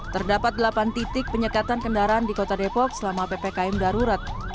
terdapat delapan titik penyekatan kendaraan di kota depok selama ppkm darurat